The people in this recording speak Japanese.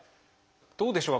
どうでしょうか？